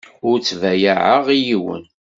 Ur ttbayaɛeɣ i yiwen.